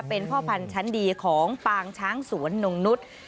เป็นพ่อพันธุ์ชั้นดีของปางช้างสวนนงนุษย์